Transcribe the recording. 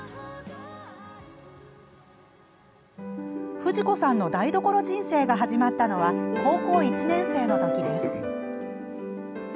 フジ子さんの台所人生が始まったのは高校１年生の時です。